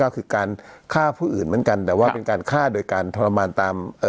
ก็คือการฆ่าผู้อื่นเหมือนกันแต่ว่าเป็นการฆ่าโดยการทรมานตามเอ่อ